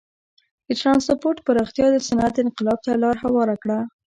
د ټرانسپورت پراختیا د صنعت انقلاب ته لار هواره کړه.